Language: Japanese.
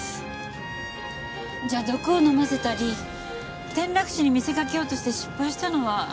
じゃあ毒を飲ませたり転落死に見せかけようとして失敗したのは。